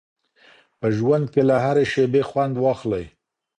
په ژوند کي له هرې شیبې خوند واخلئ.